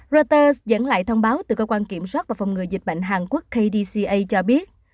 reuters dẫn lại thông báo từ cơ quan kiểm soát và phòng ngừa dịch bệnh hàn quốc kdca cho biết